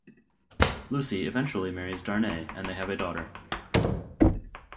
Lucie eventually marries Darnay, and they have a daughter.